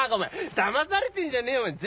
だまされてんじゃねえよお前。